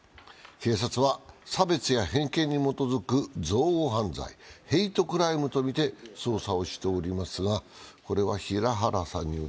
警察は、差別や偏見に基づく憎悪犯罪＝ヘイトクライムとみて捜査をしております。